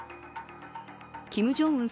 キム・ジョンウン